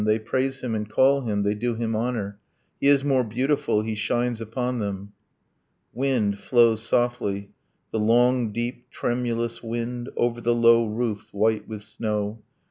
They praise him and call him, they do him honor; He is more beautiful, he shines upon them.' ... Wind flows softly, the long deep tremulous wind, Over the low roofs white with snow ...